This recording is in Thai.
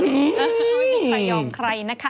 ซึมใส่ออกใครนะคะ